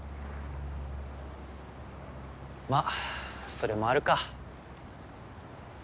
まあそれもあるか。